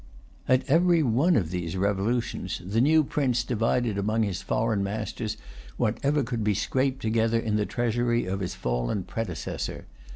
At every one of these revolutions, the new prince divided among his foreign masters whatever could be scraped together in the treasury of his fallen predecessor.